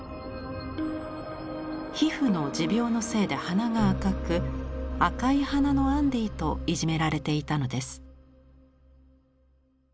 皮膚の持病のせいで鼻が赤く赤い鼻のアンディといじめられていたのです。